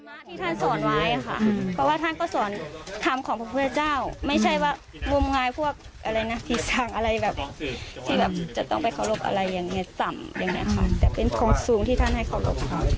อะไรแบบที่แบบจะต้องไปเคารพอะไรอย่างเงี้ยส่ำอย่างเงี้ยค่ะแต่เป็นของสูงที่ท่านให้เคารพค่ะ